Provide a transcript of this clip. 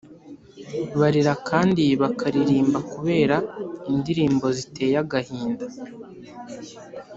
Barira kandi bakaririmba kubera indirimbo ziteye agahinda